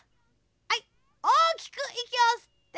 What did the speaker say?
はいおおきくいきをすって」。